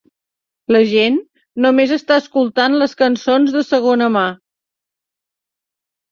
La gent només està escoltant les cançons 'de segona mà'.